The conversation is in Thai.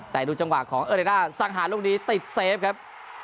แต่ดูจังหวะของเออร์เรด้าสังหารลูกนี้ติดเซฟครับ